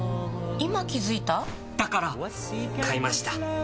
今気付いた？だから！買いました。